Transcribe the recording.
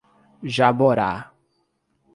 Jaborá